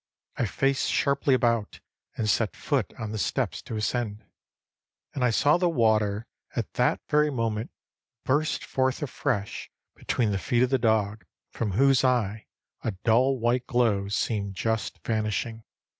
I faced sharply about and set foot on the steps to ascend. And I saw the water at that very moment burst forth afresh between the feet of the dog, from whose eye a dull white glow seemed just vanishing.